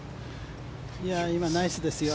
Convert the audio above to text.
今、ナイスですよ。